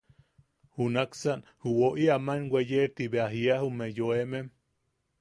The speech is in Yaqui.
Juntuksan ju woʼi aman weye ti bea jiia jume yoemem: